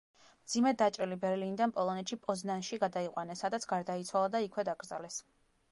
მძიმედ დაჭრილი ბერლინიდან პოლონეთში, პოზნანში გადაიყვანეს, სადაც გარდაიცვალა და იქვე დაკრძალეს.